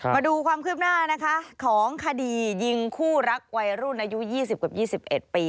มาดูความคืบหน้านะคะของคดียิงคู่รักวัยรุ่นอายุ๒๐กับ๒๑ปี